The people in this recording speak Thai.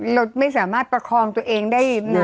เราไม่สามารถประคองตัวเองได้นะ